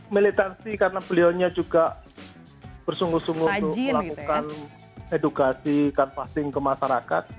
militansi karena belionya juga bersungguh sungguh melakukan edukasi dan fasting ke masyarakat